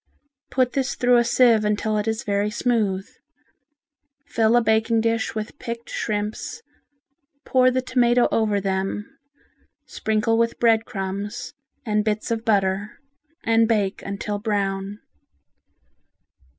Put this through a sieve until it is very smooth. Fill a baking dish with picked shrimps, pour the tomato over them, sprinkle with bread crumbs and bits of butter, and bake until brown.